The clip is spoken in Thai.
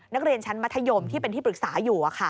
นักเรียนชั้นมัธยมที่เป็นที่ปรึกษาอยู่